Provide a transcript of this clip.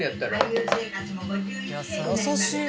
優しい。